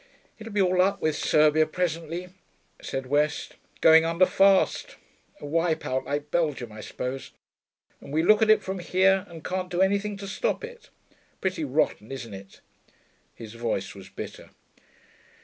'It'll be all up with Serbia presently,' said West. 'Going under fast. A wipe out, like Belgium, I suppose.... And we look at it from here and can't do anything to stop it. Pretty rotten, isn't it?' His voice was bitter.